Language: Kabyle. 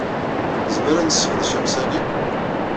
Nezmer ad nesseqdec amsali?